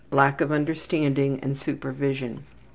Lack of understanding and supervision.